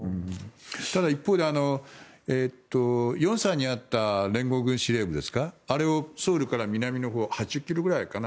ただ一方で龍山にあった連合軍司令部ですかあれをソウルから南のほう８０ｋｍくらいかな。